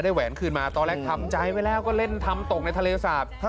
แหวนคืนมาตอนแรกทำใจไว้แล้วก็เล่นทำตกในทะเลสาป